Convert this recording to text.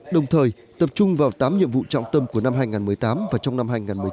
đồng thời tập trung vào tám nhiệm vụ trọng tâm của năm hai nghìn một mươi tám và trong năm hai nghìn một mươi chín